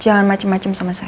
jangan macem macem sama saya